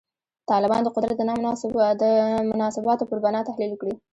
طالبان د قدرت د مناسباتو پر بنا تحلیل کړي.